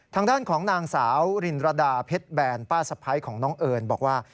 ทางด้านของนางสาวรินรดาเพชรแบนป้าสะพ้ายของน้องเอิญบอกว่า